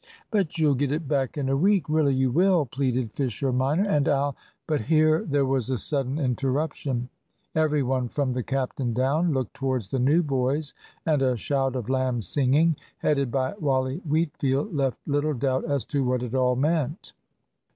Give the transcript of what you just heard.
"But you'll get it back in a week really you will," pleaded Fisher minor, "and I'll " But here there was a sudden interruption. Every one, from the captain down, looked towards the new boys, and a shout of "lamb's singing," headed by Wally Wheatfield, left little doubt as to what it all meant.